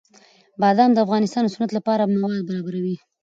بادام د افغانستان د صنعت لپاره مواد برابروي.